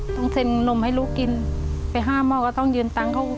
ต้องเซ็นนมให้ลูกกินไป๕หม้อก็ต้องยืนตังค์เขา